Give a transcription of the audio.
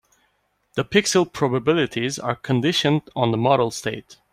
The pixel probabilities are conditioned on the model state.